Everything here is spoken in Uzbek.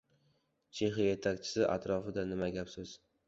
Chexiya yetakchisi atrofida nima gap-so‘z?